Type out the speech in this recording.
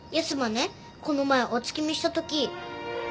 この前お月見したとき。